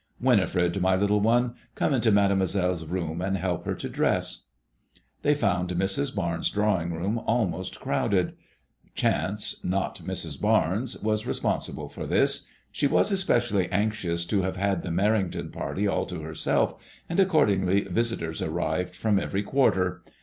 Winifred, my little one, come into Mademoiselle's room and help her to dress." They found Mrs. Barnes* drawing room almost crowded. Chance, not Mrs. Barnes, was responsible for this. She was especially anxious to have had the Merrington party all to her self, and accordingly visitors arrived from every quarter.